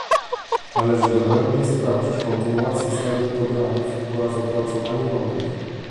Należy dogłębnie sprawdzić kontynuację starych programów oraz opracowywanie nowych